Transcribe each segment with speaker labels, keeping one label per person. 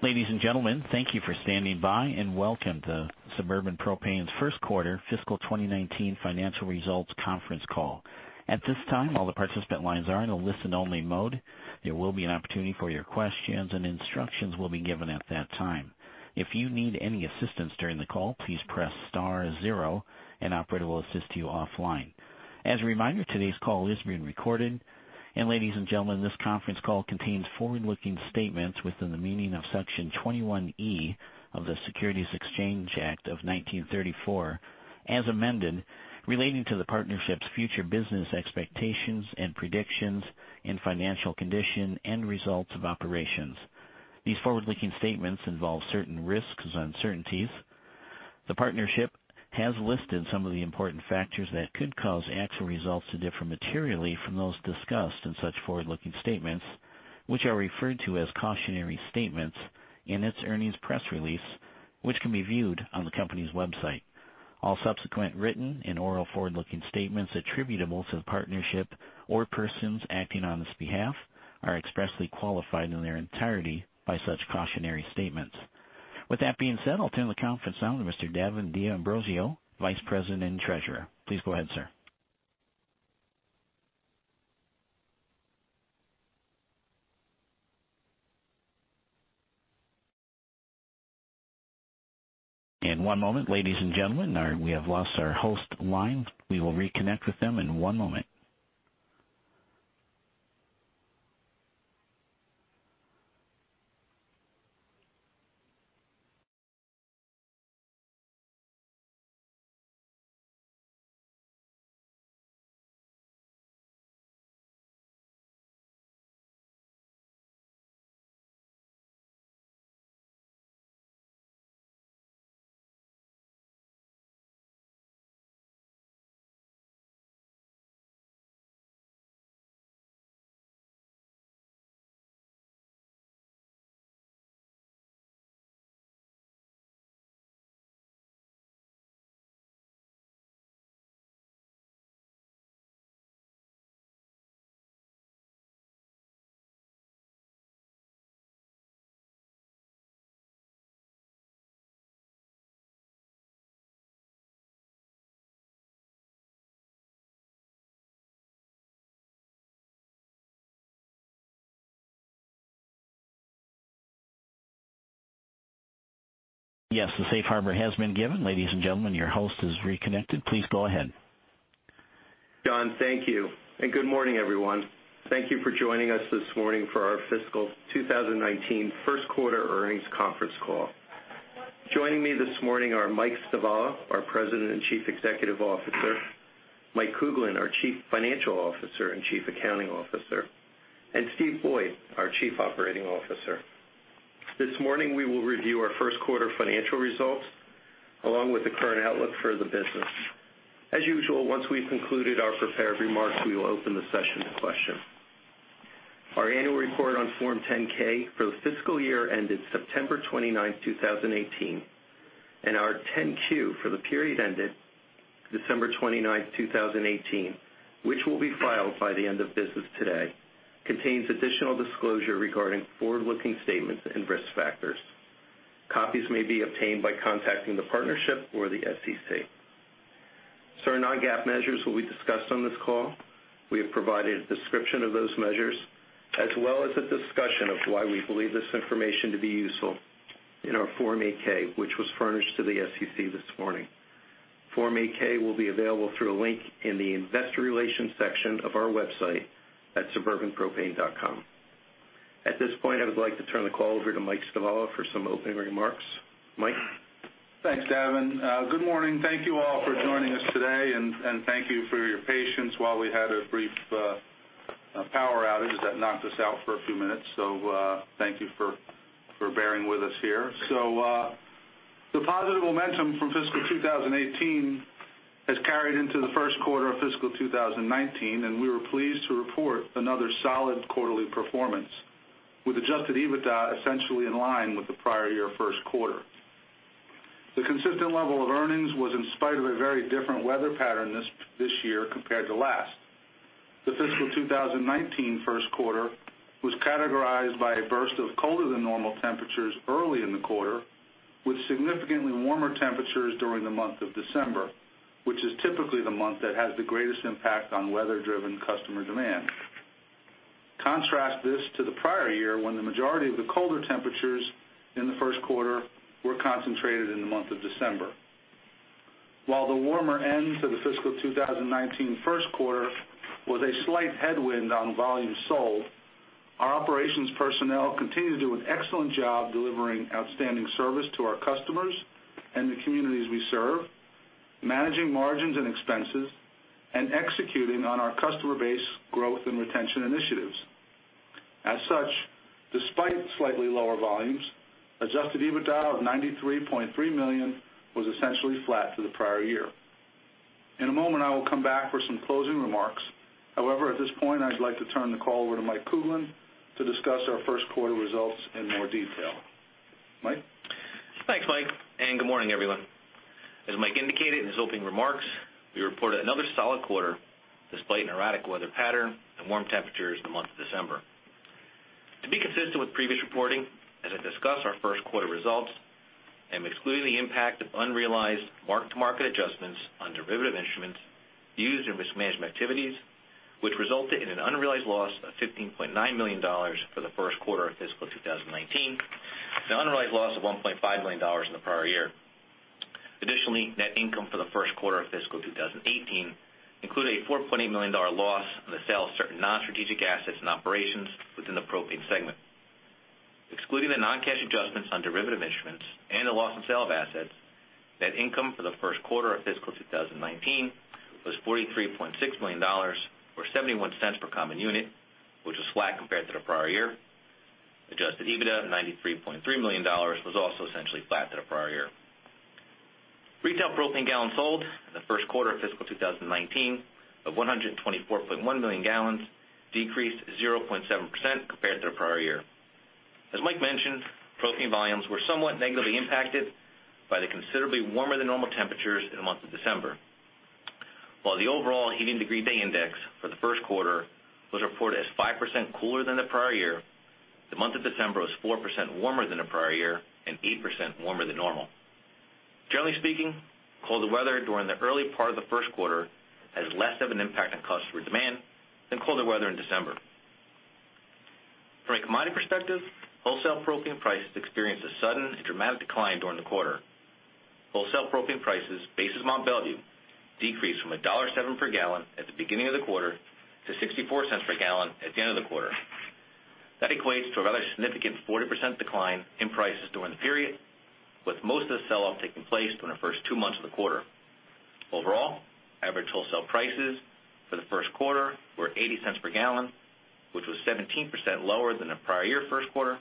Speaker 1: Ladies and gentlemen, thank you for standing by, welcome to Suburban Propane's first quarter fiscal 2019 financial results conference call. At this time, all the participant lines are in a listen-only mode. There will be an opportunity for your questions, instructions will be given at that time. If you need any assistance during the call, please press star zero, operator will assist you offline. As a reminder, today's call is being recorded. Ladies and gentlemen, this conference call contains forward-looking statements within the meaning of Section 21E of the Securities Exchange Act of 1934, as amended relating to the partnership's future business expectations and predictions in financial condition and results of operations. These forward-looking statements involve certain risks and uncertainties. The partnership has listed some of the important factors that could cause actual results to differ materially from those discussed in such forward-looking statements, which are referred to as cautionary statements in its earnings press release, which can be viewed on the company's website. All subsequent written and oral forward-looking statements attributable to the partnership or persons acting on its behalf are expressly qualified in their entirety by such cautionary statements. With that being said, I'll turn the conference out to Mr. Davin D'Ambrosio, Vice President and Treasurer. Please go ahead, sir. One moment, ladies and gentlemen, we have lost our host line. We will reconnect with them in one moment. Yes, the safe harbor has been given. Ladies and gentlemen, your host has reconnected. Please go ahead.
Speaker 2: John, thank you. Good morning, everyone. Thank you for joining us this morning for our fiscal 2019 first quarter earnings conference call. Joining me this morning are Mike Stivala, our President and Chief Executive Officer, Mike Kuglin, our Chief Financial Officer and Chief Accounting Officer, and Steve Boyd, our Chief Operating Officer. This morning, we will review our first quarter financial results, along with the current outlook for the business. As usual, once we've concluded our prepared remarks, we will open the session to questions. Our annual report on Form 10-K for the fiscal year ended September 29, 2018, and our 10-Q for the period ended December 29, 2018, which will be filed by the end of business today, contains additional disclosure regarding forward-looking statements and risk factors. Copies may be obtained by contacting the partnership or the SEC. Certain non-GAAP measures will be discussed on this call. We have provided a description of those measures, as well as a discussion of why we believe this information to be useful in our Form 8-K, which was furnished to the SEC this morning. Form 8-K will be available through a link in the investor relations section of our website at suburbanpropane.com. At this point, I would like to turn the call over to Mike Stivala for some opening remarks. Mike?
Speaker 3: Thanks, Davin. Good morning. Thank you all for joining us today, and thank you for your patience while we had a brief power outage that knocked us out for a few minutes. Thank you for bearing with us here. The positive momentum from fiscal 2018 has carried into the first quarter of fiscal 2019, and we were pleased to report another solid quarterly performance with Adjusted EBITDA essentially in line with the prior year first quarter. The consistent level of earnings was in spite of a very different weather pattern this year compared to last. The fiscal 2019 first quarter was categorized by a burst of colder than normal temperatures early in the quarter with significantly warmer temperatures during the month of December, which is typically the month that has the greatest impact on weather-driven customer demand. Contrast this to the prior year, when the majority of the colder temperatures in the first quarter were concentrated in the month of December. While the warmer end to the fiscal 2019 first quarter was a slight headwind on volume sold, our operations personnel continue to do an excellent job delivering outstanding service to our customers and the communities we serve, managing margins and expenses, and executing on our customer base growth and retention initiatives. As such, despite slightly lower volumes, Adjusted EBITDA of $93.3 million was essentially flat to the prior year. In a moment, I will come back for some closing remarks. However, at this point, I'd like to turn the call over to Mike Kuglin to discuss our first quarter results in more detail. Mike?
Speaker 4: Thanks, Mike, and good morning, everyone. As Mike indicated in his opening remarks, we reported another solid quarter despite an erratic weather pattern and warm temperatures in the month of December. To be consistent with previous reporting, as I discuss our first quarter results, I'm excluding the impact of unrealized mark-to-market adjustments on derivative instruments used in risk management activities, which resulted in an unrealized loss of $15.9 million for the first quarter of fiscal 2019, with an unrealized loss of $1.5 million in the prior year. Additionally, net income for the first quarter of fiscal 2018 included a $4.8 million loss on the sale of certain non-strategic assets and operations within the propane segment. Excluding the non-cash adjustments on derivative instruments and the loss on sale of assets, net income for the first quarter of fiscal 2019 was $43.6 million, or $0.71 per common unit, which was flat compared to the prior year. Adjusted EBITDA of $93.3 million was also essentially flat to the prior year. Retail propane gallons sold in the first quarter of fiscal 2019 of 124.1 million gal decreased 0.7% compared to the prior year. As Mike mentioned, propane volumes were somewhat negatively impacted by the considerably warmer-than-normal temperatures in the month of December. While the overall heating degree day index for the first quarter was reported as 5% cooler than the prior year, the month of December was 4% warmer than the prior year and 8% warmer than normal. Generally speaking, colder weather during the early part of the first quarter has less of an impact on customer demand than colder weather in December. From a commodity perspective, wholesale propane prices experienced a sudden and dramatic decline during the quarter. Wholesale propane prices, basis Mont Belvieu, decreased from $1.07/gal at the beginning of the quarter to $0.64/gal at the end of the quarter. That equates to a rather significant 40% decline in prices during the period, with most of the sell-off taking place during the first two months of the quarter. Overall, average wholesale prices for the first quarter were $0.80/gal, which was 17% lower than the prior year first quarter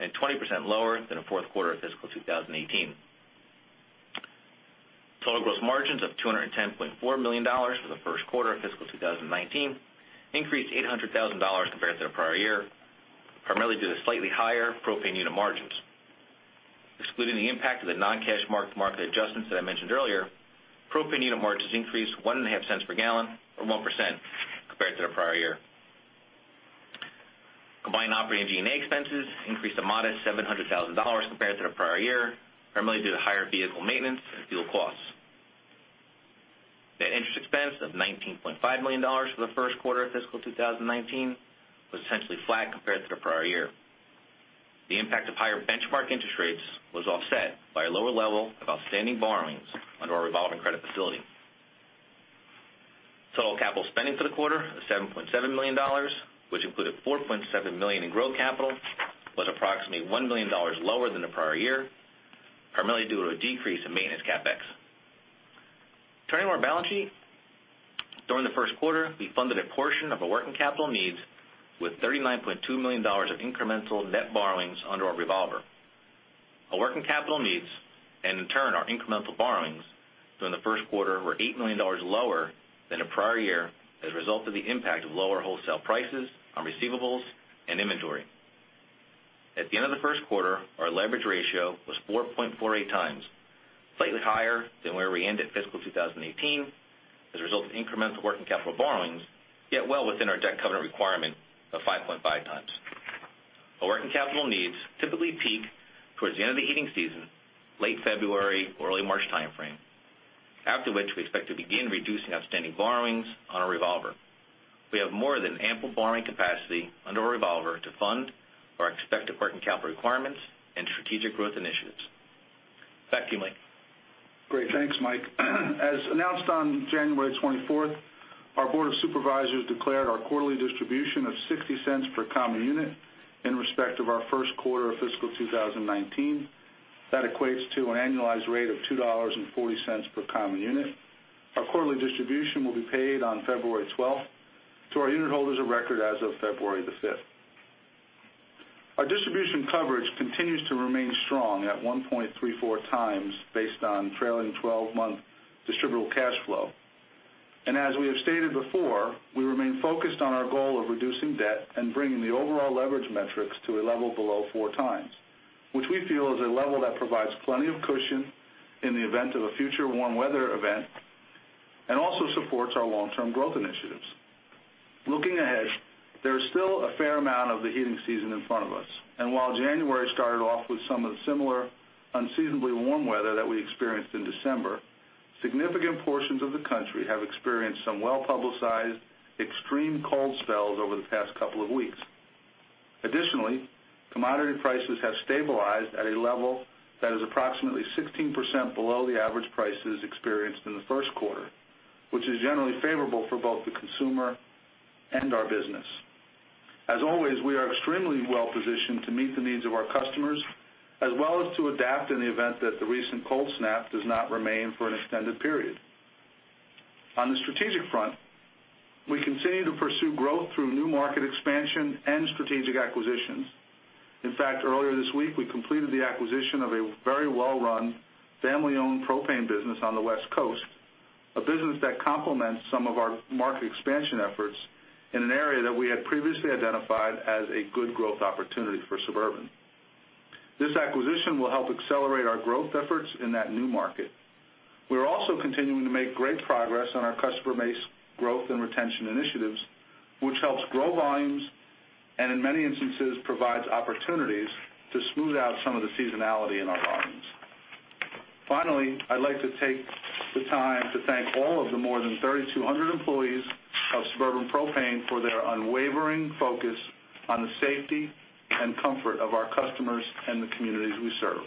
Speaker 4: and 20% lower than the fourth quarter of fiscal 2018. Total gross margins of $210.4 million for the first quarter of fiscal 2019 increased $800,000 compared to the prior year, primarily due to slightly higher propane unit margins. Excluding the impact of the non-cash mark-to-market adjustments that I mentioned earlier, propane unit margins increased $0.015/gal Or 1% compared to the prior year. Combined operating G&A expenses increased a modest $700,000 compared to the prior year, primarily due to higher vehicle maintenance and fuel costs. Net interest expense of $19.5 million for the first quarter of fiscal 2019 was essentially flat compared to the prior year. The impact of higher benchmark interest rates was offset by a lower level of outstanding borrowings under our revolving credit facility. Total capital spending for the quarter was $7.7 million, which included $4.7 million in growth capital, was approximately $1 million lower than the prior year, primarily due to a decrease in maintenance CapEx. Turning to our balance sheet. During the first quarter, we funded a portion of our working capital needs with $39.2 million of incremental net borrowings under our revolver. Our working capital needs, and in turn, our incremental borrowings during the first quarter were $8 million lower than the prior year as a result of the impact of lower wholesale prices on receivables and inventory. At the end of the first quarter, our leverage ratio was 4.48x, slightly higher than where we ended fiscal 2018 as a result of incremental working capital borrowings, yet well within our debt covenant requirement of 5.5x. Our working capital needs typically peak towards the end of the heating season, late February or early March timeframe, after which we expect to begin reducing outstanding borrowings on our revolver. We have more than ample borrowing capacity under our revolver to fund our expected working capital requirements and strategic growth initiatives. Back to you, Mike.
Speaker 3: Great. Thanks, Mike. As announced on January 24th, our Board of Supervisors declared our quarterly distribution of $0.60 per common unit in respect of our first quarter of fiscal 2019. That equates to an annualized rate of $2.40 per common unit. Our quarterly distribution will be paid on February 12th to our unit holders of record as of February 5th. Our distribution coverage continues to remain strong at 1.34x, based on trailing 12-month distributable cash flow. As we have stated before, we remain focused on our goal of reducing debt and bringing the overall leverage metrics to a level below 4x, which we feel is a level that provides plenty of cushion in the event of a future warm weather event, and also supports our long-term growth initiatives. Looking ahead, there is still a fair amount of the heating season in front of us, and while January started off with some of the similar unseasonably warm weather that we experienced in December, significant portions of the country have experienced some well-publicized extreme cold spells over the past couple of weeks. Additionally, commodity prices have stabilized at a level that is approximately 16% below the average prices experienced in the first quarter, which is generally favorable for both the consumer and our business. As always, we are extremely well-positioned to meet the needs of our customers, as well as to adapt in the event that the recent cold snap does not remain for an extended period. On the strategic front, we continue to pursue growth through new market expansion and strategic acquisitions. In fact, earlier this week, we completed the acquisition of a very wellfamily-owned propane business on the West Coast, a business that complements some of our market expansion efforts in an area that we had previously identified as a good growth opportunity for Suburban. This acquisition will help accelerate our growth efforts in that new market. We're also continuing to make great progress on our customer base growth and retention initiatives, which helps grow volumes and in many instances, provides opportunities to smooth out some of the seasonality in our volumes. Finally, I'd like to take the time to thank all of the more than 3,200 employees of Suburban Propane for their unwavering focus on the safety and comfort of our customers and the communities we serve.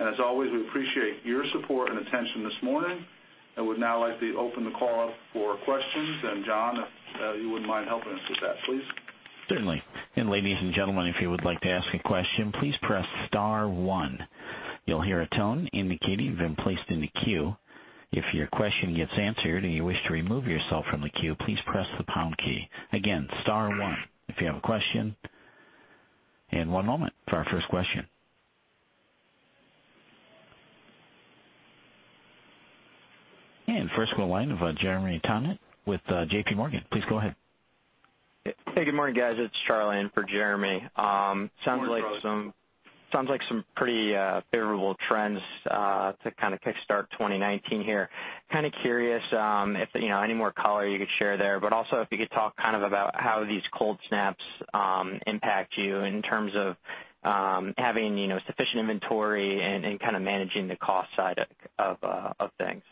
Speaker 3: As always, we appreciate your support and attention this morning and would now like to open the call up for questions. John, if you wouldn't mind helping us with that, please.
Speaker 1: Certainly. Ladies and gentlemen, if you would like to ask a question, please press star one. You'll hear a tone indicating you've been placed in the queue. If your question gets answered and you wish to remove yourself from the queue, please press the pound key. Again, star one if you have a question. One moment for our first question. First we'll go to the line of Jeremy Tonet with JPMorgan. Please go ahead.
Speaker 5: Hey, good morning, guys. It's Charlie in for Jeremy.
Speaker 3: Good morning, Charlie.
Speaker 5: Sounds like some pretty favorable trends to kind of kickstart 2019 here. Kind of curious if any more color you could share there, but also if you could talk kind of about how these cold snaps impact you in terms of having sufficient inventory and kind of managing the cost side of things.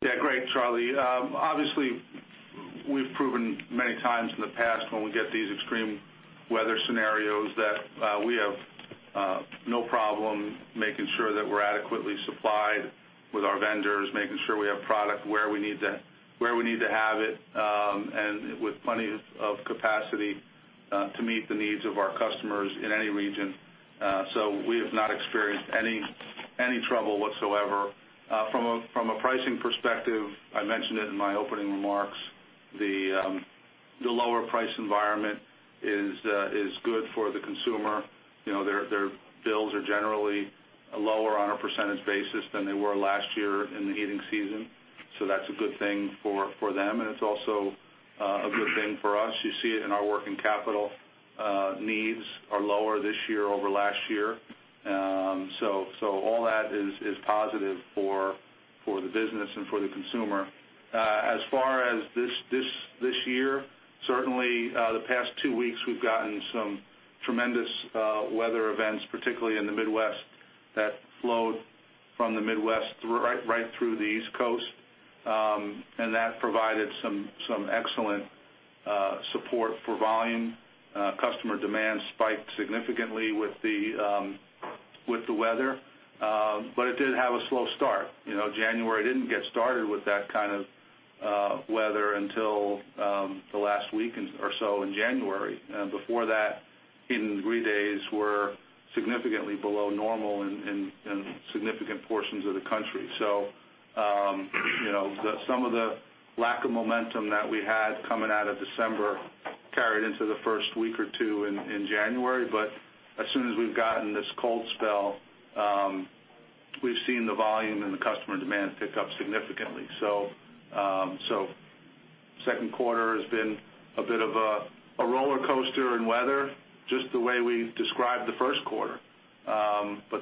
Speaker 3: Yeah, great, Charlie. Obviously, we've proven many times in the past when we get these extreme weather scenarios that we have no problem making sure that we're adequately supplied with our vendors, making sure we have product where we need to have it, and with plenty of capacity to meet the needs of our customers in any region. We have not experienced any trouble whatsoever. From a pricing perspective, I mentioned it in my opening remarks, the lower price environment is good for the consumer. Their bills are generally lower on a percentage basis than they were last year in the heating season. That's a good thing for them, and it's also a good thing for us. You see it in our working capital needs are lower this year over last year. All that is positive for the business and for the consumer. As far as this year, certainly, the past two weeks, we've gotten some tremendous weather events, particularly in the Midwest, that flowed from the Midwest right through the East Coast. That provided some excellent support for volume. Customer demand spiked significantly with the weather. It did have a slow start. January didn't get started with that kind of weather until the last week or so in January. Before that, heating degree days were significantly below normal in significant portions of the country. Some of the lack of momentum that we had coming out of December carried into the first week or two in January. As soon as we've gotten this cold spell, we've seen the volume and the customer demand pick up significantly. Second quarter has been a bit of a roller coaster in weather, just the way we described the first quarter.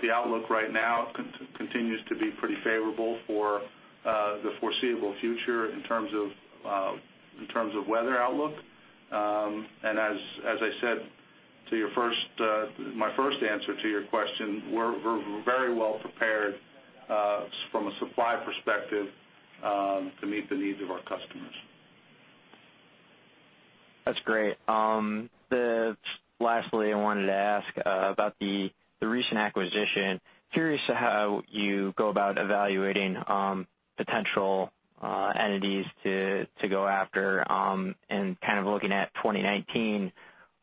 Speaker 3: The outlook right now continues to be pretty favorable for the foreseeable future in terms of weather outlook. As I said to my first answer to your question, we're very well prepared from a supply perspective to meet the needs of our customers.
Speaker 5: That's great. Lastly, I wanted to ask about the recent acquisition. Curious how you go about evaluating potential entities to go after and kind of looking at 2019,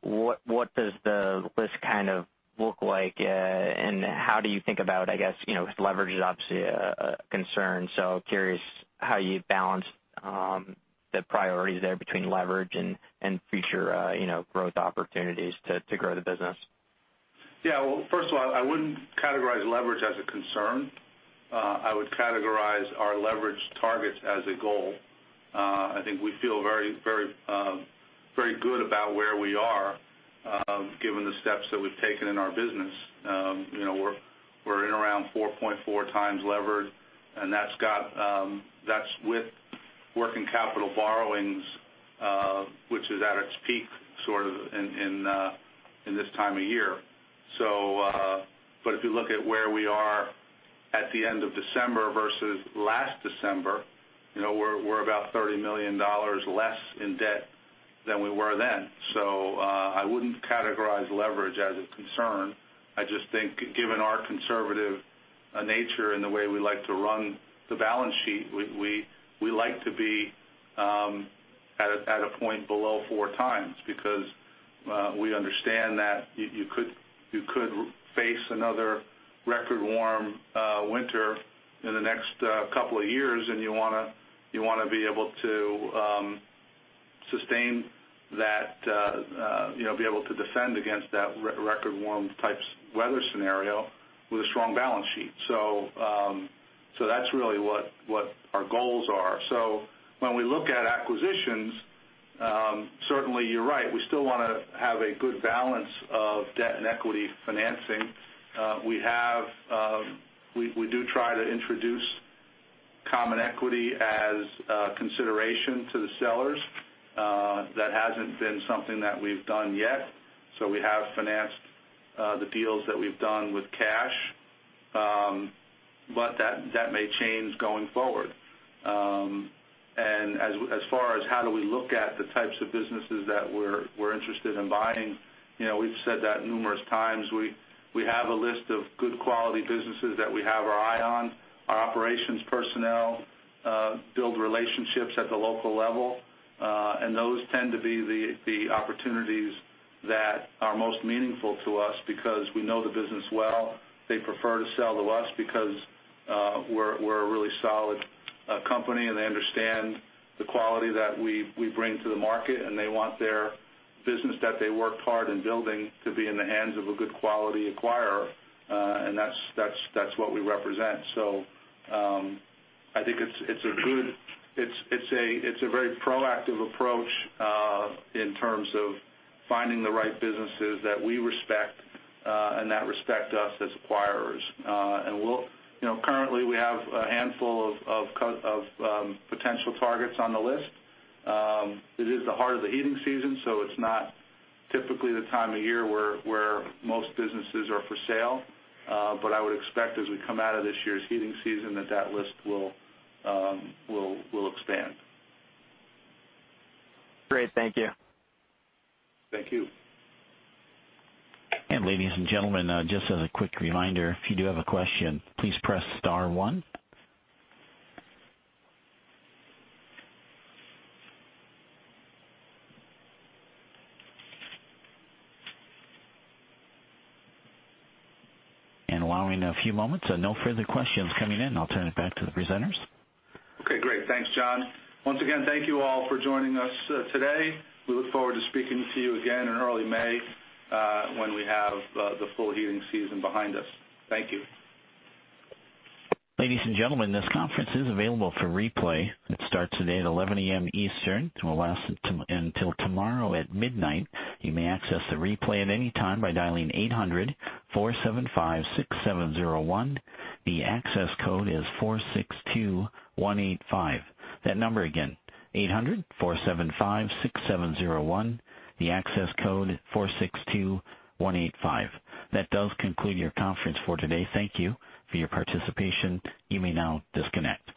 Speaker 5: what does the list kind of look like? How do you think about, I guess, because leverage is obviously a concern, curious how you balance the priorities there between leverage and future growth opportunities to grow the business.
Speaker 3: Yeah. Well, first of all, I wouldn't categorize leverage as a concern. I would categorize our leverage targets as a goal. I think we feel very good about where we are given the steps that we've taken in our business. We're in around 4.4x levered, and that's with working capital borrowings, which is at its peak sort of in this time of year. If you look at where we are at the end of December versus last December, we're about $30 million less in debt than we were then. I wouldn't categorize leverage as a concern. I just think given our conservative nature and the way we like to run the balance sheet, we like to be at a point below 4x because we understand that you could face another record warm winter in the next couple of years, and you want to be able to sustain that, be able to defend against that record warm type weather scenario with a strong balance sheet. That's really what our goals are. When we look at acquisitions, certainly you're right, we still want to have a good balance of debt and equity financing. We do try to introduce common equity as consideration to the sellers. That hasn't been something that we've done yet. We have financed the deals that we've done with cash, but that may change going forward. As far as how do we look at the types of businesses that we're interested in buying, we've said that numerous times. We have a list of good quality businesses that we have our eye on. Our operations personnel build relationships at the local level, and those tend to be the opportunities that are most meaningful to us because we know the business well. They prefer to sell to us because we're a really solid company, and they understand the quality that we bring to the market, and they want their business that they worked hard in building to be in the hands of a good quality acquirer, and that's what we represent. I think it's a very proactive approach in terms of finding the right businesses that we respect and that respect us as acquirers. Currently we have a handful of potential targets on the list. It is the heart of the heating season, it's not typically the time of year where most businesses are for sale. I would expect as we come out of this year's heating season, that list will expand.
Speaker 5: Great. Thank you.
Speaker 3: Thank you.
Speaker 1: Ladies and gentlemen, just as a quick reminder, if you do have a question, please press star one. Allowing a few moments. No further questions coming in. I'll turn it back to the presenters.
Speaker 3: Okay, great. Thanks, John. Once again, thank you all for joining us today. We look forward to speaking to you again in early May, when we have the full heating season behind us. Thank you.
Speaker 1: Ladies and gentlemen, this conference is available for replay. It starts today at 11:00 A.M. Eastern and will last until tomorrow at midnight. You may access the replay at any time by dialing 800-475-6701. The access code is 462185. That number again, 800-475-6701. The access code, 462185. That does conclude your conference for today. Thank you for your participation. You may now disconnect.